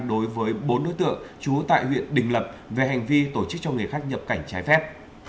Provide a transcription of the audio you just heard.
đối với bốn đối tượng trú tại huyện đình lập về hành vi tổ chức cho người khác nhập cảnh trái phép